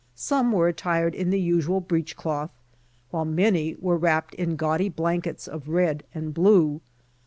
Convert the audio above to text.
Some were attired in the usual breech cloth, while many were wrapped in gaudy blankets of red and blue.